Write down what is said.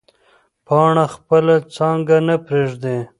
پاڼه خپله څانګه نه پرېږدي.